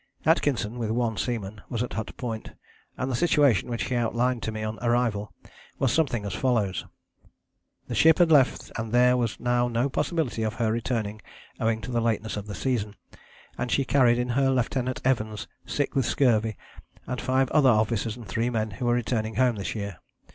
Atkinson, with one seaman, was at Hut Point and the situation which he outlined to me on arrival was something as follows: The ship had left and there was now no possibility of her returning owing to the lateness of the season, and she carried in her Lieut. Evans, sick with scurvy, and five other officers and three men who were returning home this year.